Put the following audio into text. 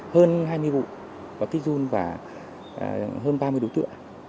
hơn hai mươi vụ và kích run và hơn ba mươi đối tượng